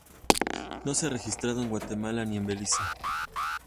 No se ha registrado en Guatemala ni en Belice.